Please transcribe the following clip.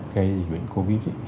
cái dịch bệnh covid